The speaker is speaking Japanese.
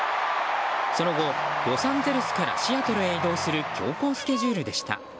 その後、ロサンゼルスからシアトルへ移動する強行スケジュールでした。